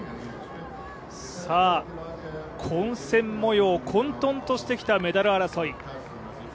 混戦もよう混とんとしてきたメダル争い。